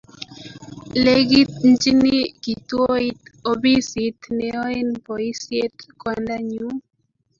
lekitjini kituoit ofisit ne yoen boisiet kwanda nyu